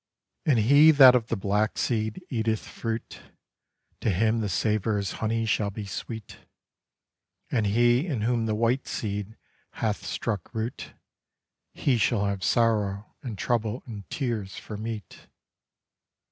And he that of the black seed eateth fruit, To him the savour as honey shall be sweet; And he in whom the white seed hath struck root, He shall have sorrow and trouble and tears for meat.